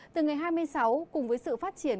từ ngày hai mươi sáu cùng với sự phát triển